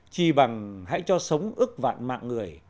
chỉ bằng hãy cho sống ức vạn mạng người